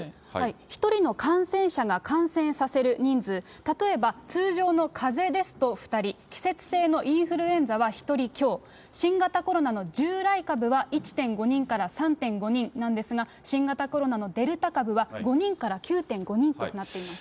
１人の感染者が感染させる人数、例えば通常のかぜですと２人、季節性のインフルエンザは１人強、新型コロナの従来株は１．５人から３．５人なんですが、新型コロナのデルタ株は５人から９．５人となっています。